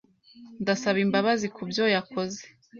Ndasaba imbabazi kubyo yakoze.